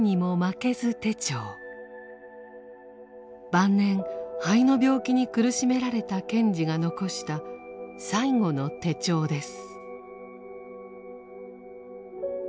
晩年肺の病気に苦しめられた賢治が残した最後の手帳です。